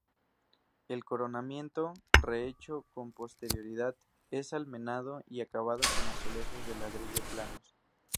El coronamiento, rehecho con posterioridad, es almenado y acabado con azulejos de ladrillo planos.